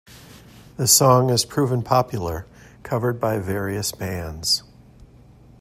This song has proven popular, covered by various bands.